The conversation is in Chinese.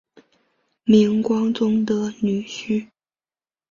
明光宗的女婿。